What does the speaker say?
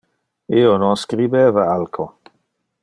Io non scribeva alco.